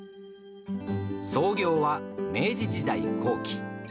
創業は明治時代後期。